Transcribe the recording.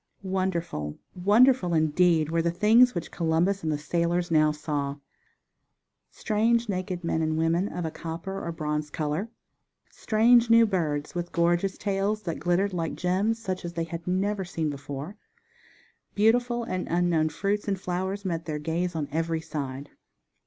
Wonderful, wonderful indeed were the things which Columbus and the sailors now saw! Strange naked men and women of a copper, or bronze color, strange new birds with gorgeous tails that glittered like gems such as they had never seen before; beautiful and unknown fruits and flowers met their gaze on every side.